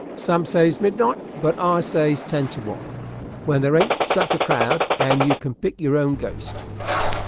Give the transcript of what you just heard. "Some says midnight, but I says ten to one, when there ain't such a crowd, and you can pick your own ghost.